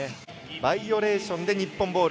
バイオレーションで日本ボール。